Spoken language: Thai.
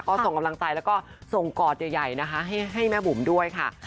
ก็ส่งกำลังใจแล้วก็ส่งกอดใหญ่นะคะให้แม่บุ๋มด้วยค่ะ